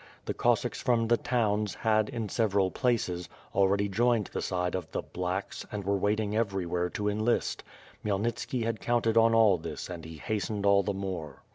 The Cossacks from the towns had, in several places, already joined the side of the 'T)lacks" and were waiting everywhere to enlist. Khmyel nit ski had counted on all this and he hastened all the more.